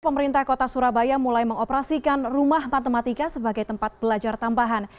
pemerintah kota surabaya mulai mengoperasikan rumah matematika sebagai tempat belajar tambahan